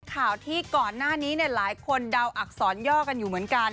ข่าวที่ก่อนหน้านี้หลายคนเดาอักษรย่อกันอยู่เหมือนกัน